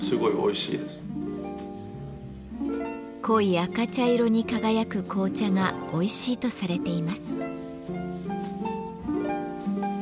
濃い赤茶色に輝く紅茶がおいしいとされています。